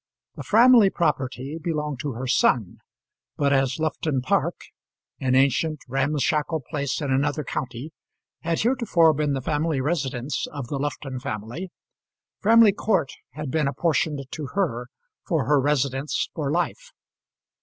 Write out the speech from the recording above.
The Framley property belonged to her son; but as Lufton Park an ancient ramshackle place in another county had heretofore been the family residence of the Lufton family, Framley Court had been apportioned to her for her residence for life.